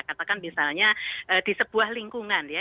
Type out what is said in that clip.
katakan misalnya di sebuah lingkungan ya